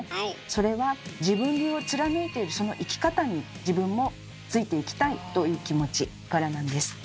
それは自分流を貫いているその生き方に自分もついていきたいという気持ちからなんです。